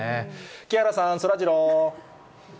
木原さん、そらジロー。